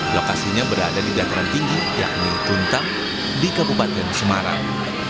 lokasinya berada di dataran tinggi yakni tuntang di kabupaten semarang